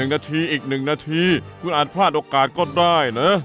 ๑นาทีอีก๑นาทีคุณอาจพลาดโอกาสก็ได้นะ